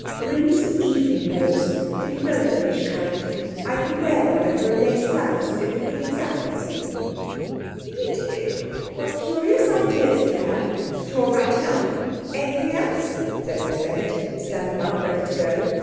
'Bring some evening cloaks the kimonoish kind I could wear one over a lace blouse; it would look exactly the same.' 'Edith, what curious ideas you have! But you're right enough. Anything else?' said Miss Bennett, standing up, ready to go.